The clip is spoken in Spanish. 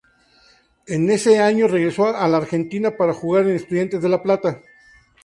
En ese año regresó a la Argentina para jugar en Estudiantes de La Plata.